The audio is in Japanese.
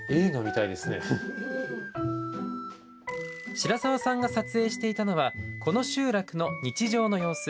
白澤さんが撮影していたのはこの集落の日常の様子。